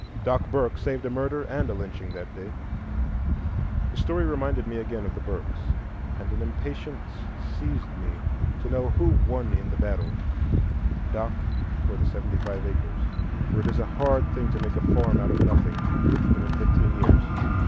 Doc Burke saved a murder and a lynching that day. The story reminded me again of the Burkes, and an impatience seized me to know who won in the battle, Doc or the seventy five acres. For it is a hard thing to make a farm out of nothing, even in fifteen years.